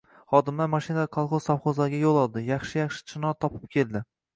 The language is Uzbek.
Xodimlar mashinada kolxoz-sovxozlarga yo‘l oldi. Yaxshi-yaxshi chinor topib keldi.